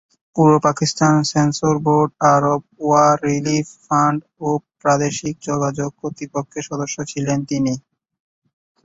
পূর্ব Pakistan censor board, Arab war relief fund ও প্রাদেশিক যোগাযোগ কর্তৃপক্ষের সদস্য ছিলেন তিনি।